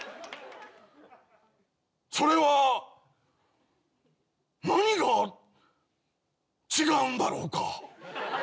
それは何が違うんだろうか。